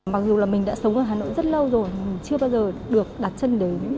mặc dù là mình đã sống ở hà nội rất lâu rồi chưa bao giờ được đặt chân đến